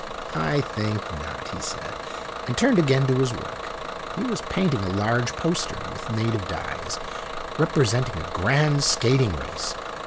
" I think not," he said, and turned again to his work. He was painting a large poster, with native dyes, representing a grand skating race.